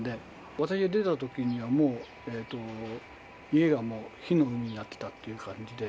私が出たときにはもう家が火の海になってたっていう感じで。